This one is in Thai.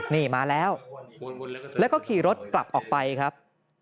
นี่มาแล้วแล้วก็ขี่รถกลับออกไปครับ